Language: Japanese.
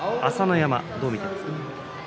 朝乃山どう見ていますか。